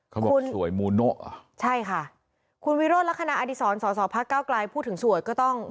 เขาบอกสวยมูโนะใช่ค่ะคุณวิโรธลักษณะอดีศรสอสอพักเก้าไกลพูดถึงสวยก็ต้อง